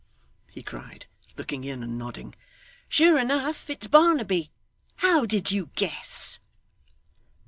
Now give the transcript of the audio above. he cried, looking in and nodding. 'Sure enough it's Barnaby how did you guess?